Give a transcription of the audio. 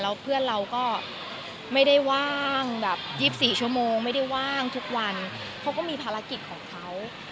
แล้วเพื่อนเราก็ไม่ได้ว่างแบบ๒๔ชั่วโมงไม่ได้ว่างทุกวันเขาก็มีภารกิจของเขา